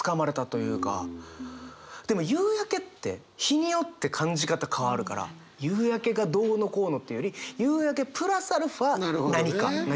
でも夕焼けって日によって感じ方変わるから夕焼けがどうのこうのっていうより夕焼けプラスアルファ何かな気がするんですよね。